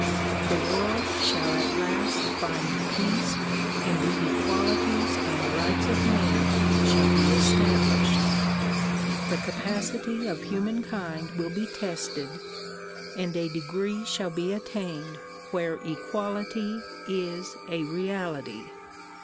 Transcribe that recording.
The world shall at last find peace and the equalities and rights of men shall be established. The capacity of humankind will be tested and a degree shall be attained where equality is a reality.